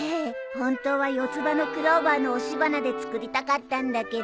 本当は四つ葉のクローバーの押し花で作りたかったんだけど。